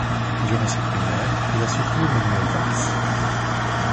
Durant ces primaires il a soutenu Manuel Valls.